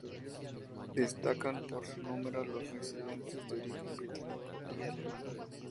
Destacan por su número los residentes de origen británico y alemán.